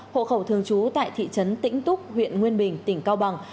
hộ khẩu thường trú tại thị trấn tĩnh túc huyện nguyên bình tỉnh cao bằng